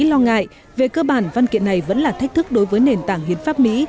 lo ngại về cơ bản văn kiện này vẫn là thách thức đối với nền tảng hiến pháp mỹ